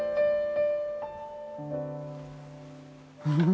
「フフフ！